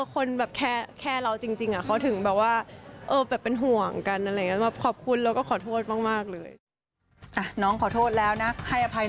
คนแบบแค่เราจริงเขาถึงแบบว่าเป็นห่วงกันอะไรอย่างนี้